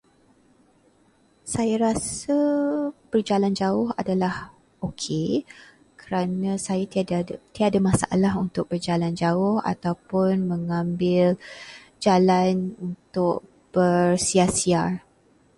Saya rasa berjalan jauh adalah okey, kerana saya tiada masalah untuk berjalan jauh ataupun mengambil jalan untuk bersiar-siar.